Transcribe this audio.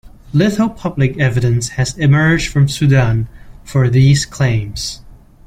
Little public evidence has emerged from Sudan for these claims.